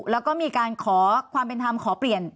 แล้วก็มีการขอความเป็นธรรมขอเปลี่ยน